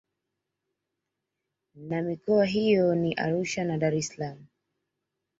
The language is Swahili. Na mikoa hiyo ni Arusha na Dar es salaam